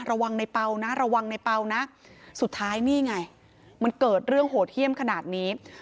ระวังในเปล่านะระวังในเปล่านะสุดท้ายนี่ไงมันเกิดเรื่องโหดเยี่ยมขนาดนี้